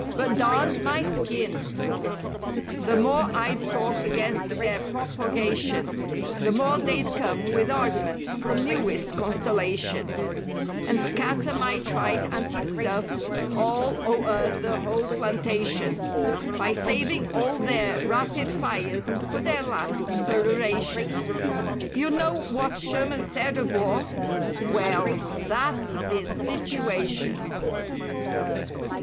"But darned my skin! The more I'd talk against their propogation "The more they'd come with arguments from newest constellation "And scatter my trite anti stuff all o'er the whole plantation, "By saving all their 'rapid fires' for their last per¬ oration. "You know what Sherman said of war? Well, that's the situation."